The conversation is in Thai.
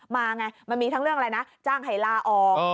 มาไงมันมีทั้งเรื่องอะไรนะจ้างให้ลาออก